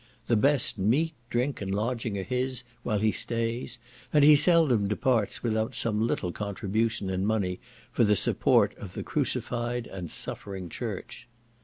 The best meat, drink, and lodging are his, while he stays, and he seldom departs without some little contribution in money for the support of the crucified and suffering church.